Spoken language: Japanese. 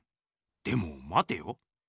でもまてよ。